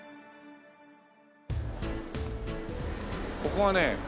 ここはね